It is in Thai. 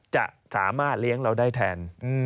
จะสามารถเลี้ยงเราได้แทน